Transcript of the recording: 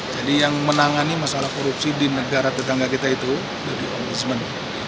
jadi yang menangani masalah korupsi di negara tetangga kita itu jadi ombudsman